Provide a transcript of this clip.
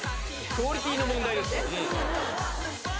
クオリティーの問題ですね。